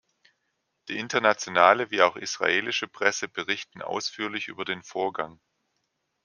Die internationale wie auch israelische Presse berichten ausführlich über den Vorgang.